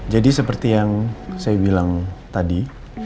jadi seperti yang saya bilang tadi